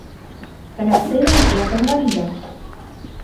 سمعت ليلى أصواتا غريبة.